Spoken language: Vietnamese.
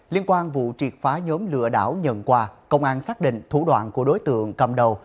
liên quan vụ triệt phá nhóm lựa đảo nhận quà công an xác định thủ đoạn của đối tượng cầm đầu